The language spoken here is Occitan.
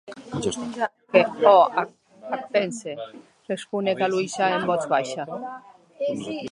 Òc, ac pensè, responec Aliosha en votz baisha.